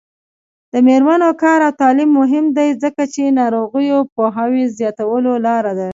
د میرمنو کار او تعلیم مهم دی ځکه چې ناروغیو پوهاوي زیاتولو لاره ده.